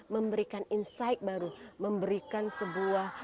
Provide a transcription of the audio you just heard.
memberikan insight baru memberikan sebuah